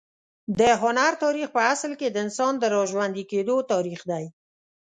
د هنر تاریخ په اصل کې د انسان د راژوندي کېدو تاریخ دی.